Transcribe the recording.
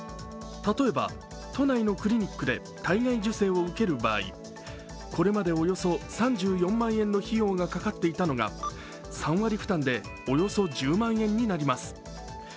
例えば、都内のクリニックで体外受精を受ける場合、これまでおよそ３４万円の費用がかかっていたのが３割負担でおよそ１０万円になります